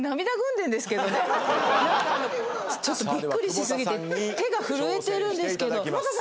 ちょっとびっくりし過ぎて手が震えてるんですけど。